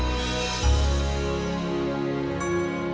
kakek baik baik aja